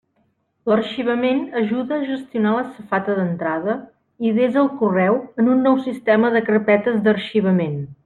L'arxivament ajuda a gestionar la safata d'entrada i desa el correu en un nou sistema de carpetes d'arxivament.